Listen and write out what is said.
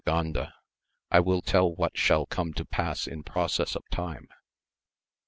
gainda, I will tell what shall come to pass in process of time.